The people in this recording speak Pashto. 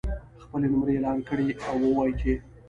خپلې نمرې اعلان کړي او ووایي چې